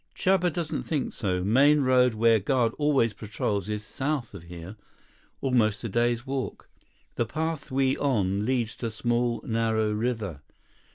"Chuba doesn't think so. Main road where guard always patrols is south of here, almost a day's walk. Thus path we on leads to small, narrow river.